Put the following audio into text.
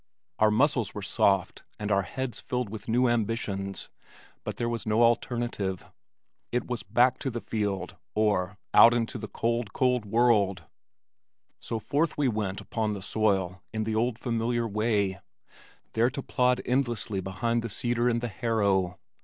Our muscles were soft and our heads filled with new ambitions but there was no alternative. It was "back to the field," or "out into the cold, cold world," so forth we went upon the soil in the old familiar way, there to plod to and fro endlessly behind the seeder and the harrow.